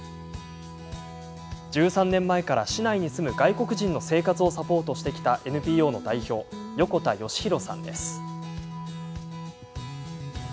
１３年前から、市内に住む外国人の生活をサポートしてきたＮＰＯの代表横田能洋さんです。